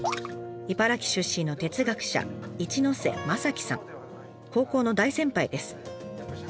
茨城出身の高校の大先輩です。